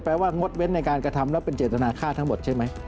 ว่างดเว้นในการกระทำแล้วเป็นเจตนาฆ่าทั้งหมดใช่ไหม